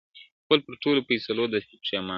خپل پر ټولو فیصلو دستي پښېمان سو,